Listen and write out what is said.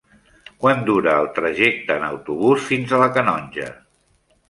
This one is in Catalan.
Quant dura el trajecte en autobús fins a la Canonja?